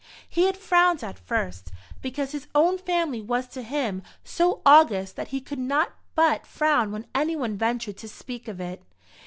He had frowned at first, because his own family was to him so august that he could not but frown when anyone ventured to speak of it.